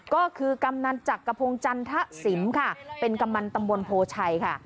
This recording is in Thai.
ก็คือกำนันจักรพงศ์จันทะสิมค่ะเป็นกำนันตำบลโพชัยค่ะ